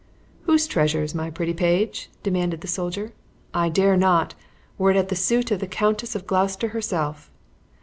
"Whose treasures, my pretty page?" demanded the soldier; "I dare not, were it at the suit of the Countess of Gloucester herself."